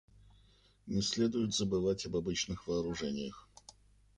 Не следует забывать об обычных вооружениях.